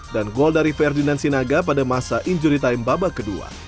dan gol dari ferdinand sinaga pada masa injury time babak ke dua